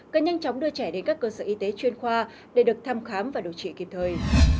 cần nhanh chóng đưa trẻ đến các cơ sở y tế chuyên khoa để được thăm khám và điều trị kịp thời